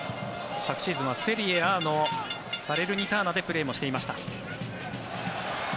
昨シーズンはセリエＡのサレルニターナでプレーもしていました。